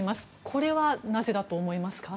これはなぜだと思いますか。